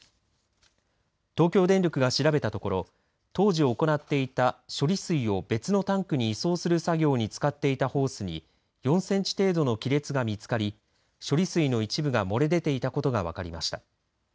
東京電力が調べたところ当時行っていた処理水を別のタンクに移送する作業に使っていたホースに４センチ程度の亀裂が見つかり処理水の一部が漏れ出ていたことが分かりました。